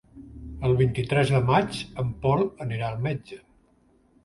El vint-i-tres de maig en Pol anirà al metge.